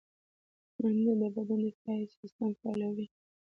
منډه د بدن دفاعي سیستم فعالوي